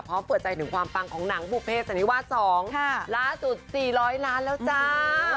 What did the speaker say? เพราะเผื่อใจถึงความปังของหนังบุภเภสอันนี้ว่า๒ล้าสุด๔๐๐ล้านบาทแล้วจ้า